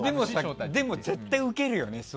でも、絶対にウケるよね。